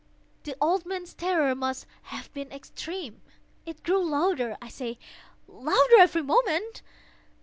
The old man's terror must have been extreme! It grew louder, I say, louder every moment!